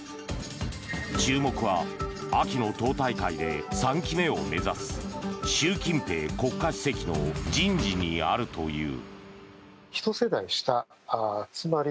注目は秋の党大会で３期目を目指す習近平国家主席の人事にあるという。